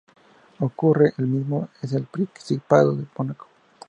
Ocurre lo mismo en el Principado de Mónaco.